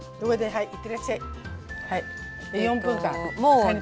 はい。